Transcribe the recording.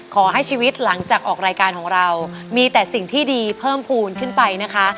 ขอให้ชีวิตหลังจากออกรายการของเรามีแต่สิ่งที่ดีเพิ่มภูมิขึ้นไปนะคะ